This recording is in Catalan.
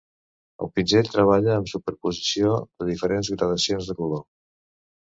El pinzell treballa amb superposició de diferents gradacions de color.